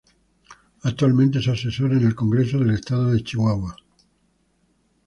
Actualmente es asesor en el Congreso del Estado de Chihuahua.